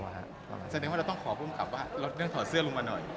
แสดงว่าเราต้องขอภูมิกับว่าลดเรื่องถอดเสื้อลงมาหน่อย